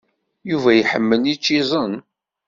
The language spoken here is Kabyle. Yuba iḥemmel ičizen?